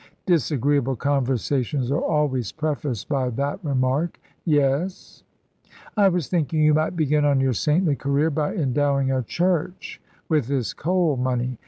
"Disagreeable conversations are always prefaced by that remark. Yes?" "I was thinking you might begin on your saintly career by endowing a church with this coal money.